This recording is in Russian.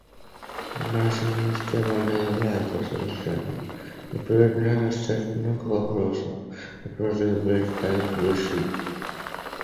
Наша система не является совершенной, и перед нами стоит много вопросов, которые предстоит решить.